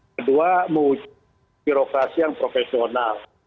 kedua mewujudkan birokrasi yang profesional